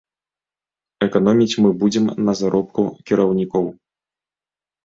Эканоміць мы будзем на заробку кіраўнікоў.